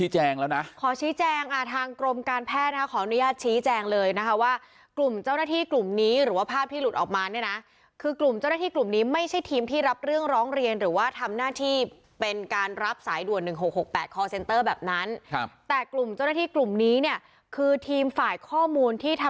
แจ้งแล้วนะขอชี้แจงอ่าทางกรมการแพทย์นะคะขออนุญาตชี้แจงเลยนะคะว่ากลุ่มเจ้าหน้าที่กลุ่มนี้หรือว่าภาพที่หลุดออกมาเนี่ยนะคือกลุ่มเจ้าหน้าที่กลุ่มนี้ไม่ใช่ทีมที่รับเรื่องร้องเรียนหรือว่าทำหน้าที่เป็นการรับสายด่วนหนึ่งหกหกแปดคอร์เซ็นเตอร์แบบนั้นครับแต่กลุ่มเจ้าหน้าที่กลุ่มนี้เนี่ยคือทีมฝ่ายข้อมูลที่ทำ